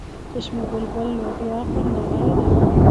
چشم بلبل لوبیا خوندوره ده.